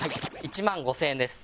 １万５０００円です。